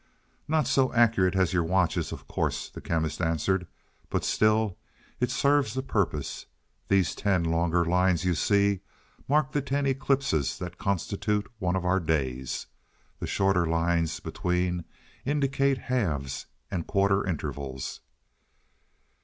"Not so accurate as your watches, of course," the Chemist answered. "But still, it serves the purpose. These ten longer lines, you see, mark the ten eclipses that constitute one of our days. The shorter lines between indicate halves and quarter intervals."